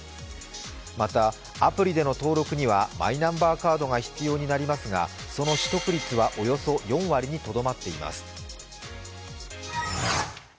また、アプリでの登録にはマイナンバーカードが必要になりますがその取得率は、およそ４割にとどまっています。